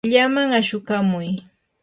kayllaman ashukamuy.